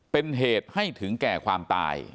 เป็นเหตุให้ถึงแก่ความตาย